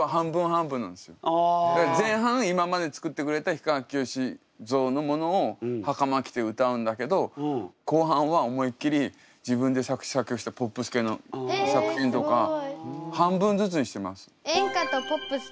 前半今までつくってくれた氷川きよし像のものをはかま着て歌うんだけど後半は思いっきり自分で作詞作曲したポップス系の作品とか半分ずつにしてます。